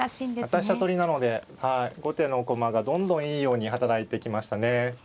また飛車取りなので後手の駒がどんどんいいように働いてきましたね。